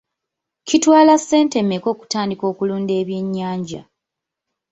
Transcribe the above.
Kitwala ssente mmeka okutandika okulunda ebyennyanja?